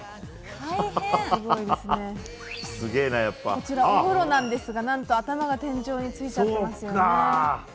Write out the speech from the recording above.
こちら、お風呂なんですが何と頭が天井についちゃってます。